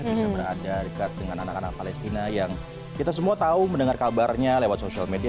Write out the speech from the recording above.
bisa berada dekat dengan anak anak palestina yang kita semua tahu mendengar kabarnya lewat sosial media